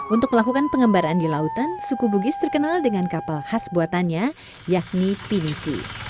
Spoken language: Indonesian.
untuk melakukan pengembaraan di lautan suku bugis terkenal dengan kapal khas buatannya yakni pinisi